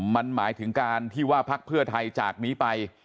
มันหมายถึงการที่ว่าพักเพื่อไทยจากนี้ไป